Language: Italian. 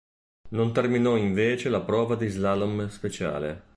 Non terminò invece la prova di slalom speciale.